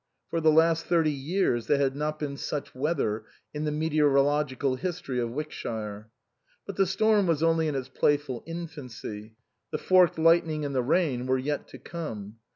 For the last thirty years there had not been such weather in the meteorological history of Wick shire. But the storm was only in its playful infancy ; the forked lightning and the rain were yet to come.